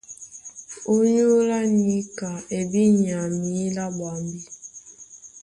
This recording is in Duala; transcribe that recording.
ÓnyÓlá níka e bí nya mǐlá ɓwambí?